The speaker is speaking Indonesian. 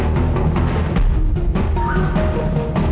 kenapa hari ini sangat sempit